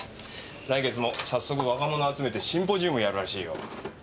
来月も早速若者集めてシンポジウムやるらしいよ。